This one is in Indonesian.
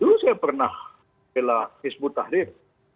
dulu saya pernah bela rizbu tahdir